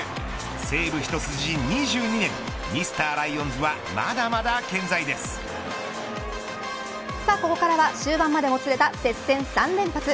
西武一筋２２年ミスターライオンズはここからは終盤までもつれた接戦３連発。